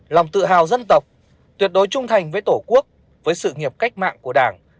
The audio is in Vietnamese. lòng tự hào dân tộc tuyệt đối trung thành với tổ quốc với sự nghiệp cách mạng của đảng